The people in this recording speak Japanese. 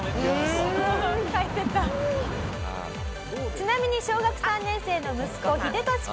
ちなみに小学３年生の息子ヒデトシ君は。